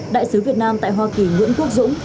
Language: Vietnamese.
đại sứ việt nam tại hoa kỳ nguyễn quốc dũng